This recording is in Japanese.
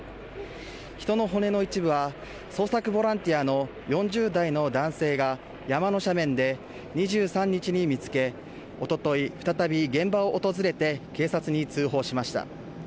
人の骨の一部は捜索ボランティアの４０代の男性が山の斜面で２３日に見つけおととい、再び現場を訪れて警察に通報しました。